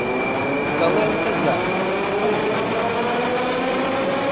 دەڵێن دزە، پووڵ کۆدەکاتەوە.